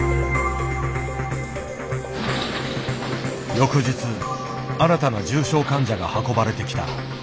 翌日新たな重症患者が運ばれてきた。